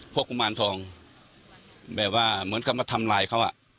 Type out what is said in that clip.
ปรุมารทองแปลว่าจะมาทำลายเขาอ่ะ